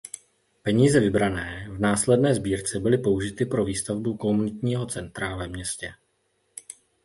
Peníze vybrané v následné sbírce byly použity pro výstavbu komunitního centra ve městě.